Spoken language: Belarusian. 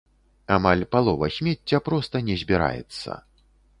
Амаль палова смецця проста не збіраецца.